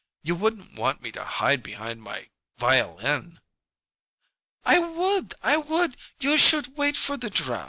You wouldn't want me to hide behind my violin." "I would! Would! You should wait for the draft.